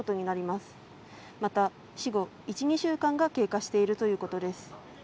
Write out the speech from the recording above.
また、死後１２週間が経過しているということです。